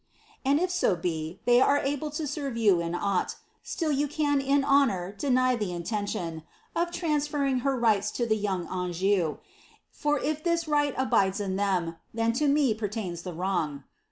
And if so bo they are able to serve you in augbt, siill you can in honour deny the intention (o/' Irans/Vmag ktr rigUi te young Jnjou) : lor if this right abides in them, then to me peiiaini the wrong.